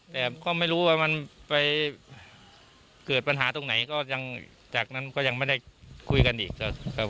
แต่ก็ไม่รู้ว่ามันไปเกิดปัญหาตรงไหนก็ยังจากนั้นก็ยังไม่ได้คุยกันอีกครับ